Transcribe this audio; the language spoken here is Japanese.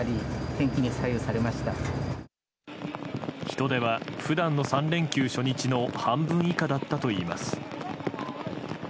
人出は、普段の３連休初日の半分以下だったといいます。